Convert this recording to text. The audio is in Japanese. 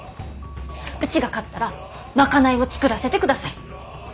うちが勝ったら賄いを作らせてください！